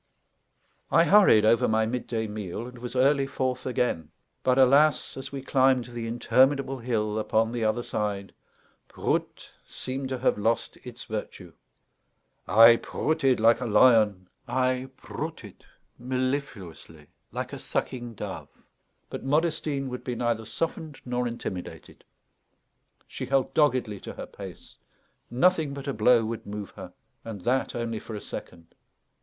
I hurried over my midday meal, and was early forth again. But, alas, as we climbed the interminable hill upon the other side, "Proot!" seemed to have lost its virtue. I prooted like a lion, I prooted mellifluously like a sucking dove; but Modestine would be neither softened nor intimidated. She held doggedly to her pace; nothing but a blow would move her, and that only for a second.